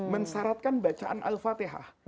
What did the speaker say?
mensyaratkan bacaan al fatihah